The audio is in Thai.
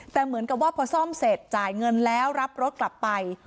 แต่เหมือนกับว่าพอซ่อมเสร็จจ่ายเงินแล้วรับรถกลับไป